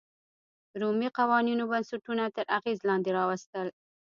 رومي قوانینو بنسټونه تر اغېز لاندې راوستل.